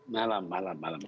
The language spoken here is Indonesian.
malam malam malam